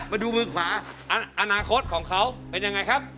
มาดูมือขวาอนาคตของเขาเป็นยังไงครับ